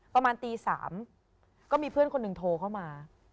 ประมาณตี๓ก็มีเพื่อนคนหนึ่งโทรเข้ามา